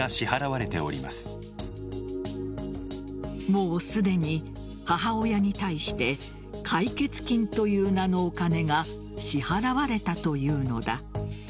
もうすでに母親に対して解決金という名のお金が支払われたというのだ。